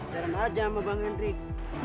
serem aja sama bang hendrik